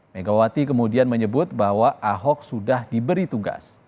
megawati kemudian menyebut bahwa ahok sudah diberi tugas